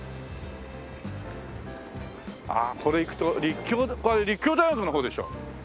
ああこれ行くと立教立教大学の方でしょ。